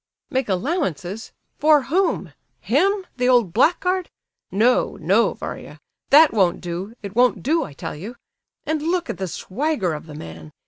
"Make allowances? For whom? Him—the old blackguard? No, no, Varia—that won't do! It won't do, I tell you! And look at the swagger of the man!